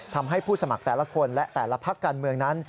ทำให้ผู้สมัครแต่ละคนและแต่ละพักการเมืองนั้น